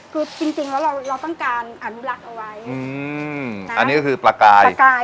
คือจริงแล้วเราต้องการอนุรักษ์เอาไว้อันนี้ก็คือประกายประกาย